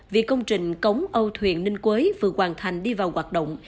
vì công trình cống âu thuyền ninh quế vừa hoàn thành đi vào hoạt động